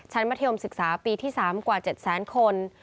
ชั้นมัธยมศึกษาปีที่๓กว่า๗๐๐๐๐๐คน